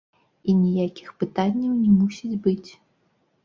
І ніякіх пытанняў не мусіць быць.